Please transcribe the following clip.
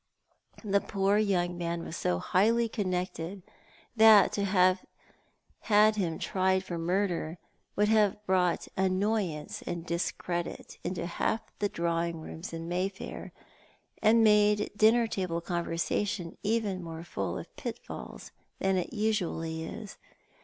The poor young man was so highly connected that to have had him tried for murder would have brought annoyance and dis credit into half the drawing rooms in Mayfair, and made dinner ■ table conversation even more full of pitfalls than it usually is.